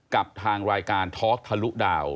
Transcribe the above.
กับทางรายการท็อกทะลุดาว